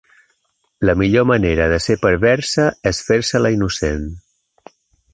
La millor manera de ser perversa és fer-se la innocent.